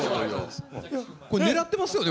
狙ってますよね